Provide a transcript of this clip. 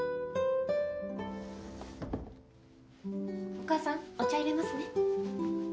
お母さんお茶入れますね。